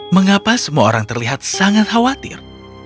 mengapa semua orang terlihat sangat khawatir